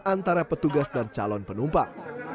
antara petugas dan calon penumpang